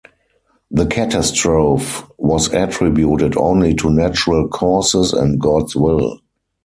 The catastrophe was attributed only to natural causes and "God's will".